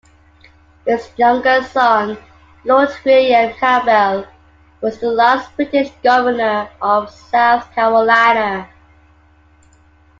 His younger son Lord William Campbell was the last British Governor of South Carolina.